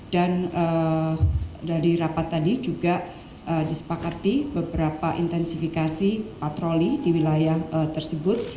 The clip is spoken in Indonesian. dan dari rapat tadi juga disepakati beberapa intensifikasi patroli di wilayah tersebut